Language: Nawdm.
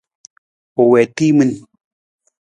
U wii timin.